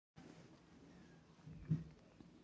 ه دې لارې ورته ډېر ځوان رایه ورکوونکي جذب شوي وو.